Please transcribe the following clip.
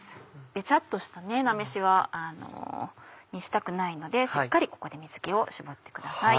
ベチャっとした菜めしにしたくないのでしっかりここで水気を絞ってください。